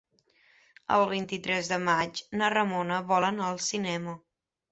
El vint-i-tres de maig na Ramona vol anar al cinema.